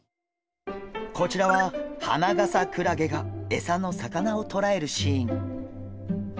こちらはハナガサクラゲがエサの魚をとらえるシーン。